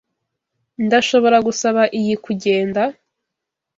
Ndashobora gusaba iyi kugenda?